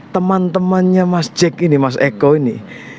teman temannya mas jack ini mas eko ini